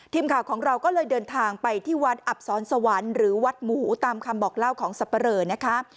ทีมข่าวของเราก็เลยเดินทางไปที่วัดอับสอนสวรรค์หรือวัดหมูตามคำบอกเล่าของสับปะเรอนะคะ